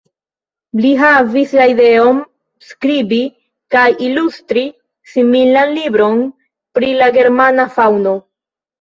Li havis la ideon skribi kaj ilustri similan libron pri la germana faŭno.